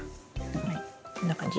はいこんな感じ。